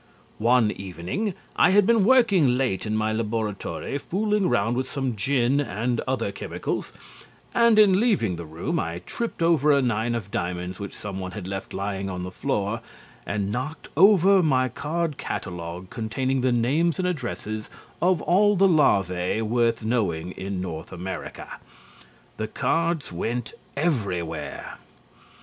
One evening I had been working late in my laboratory fooling round with some gin and other chemicals, and in leaving the room I tripped over a nine of diamonds which someone had left lying on the floor and knocked over my card catalogue containing the names and addresses of all the larvae worth knowing in North America. The cards went everywhere.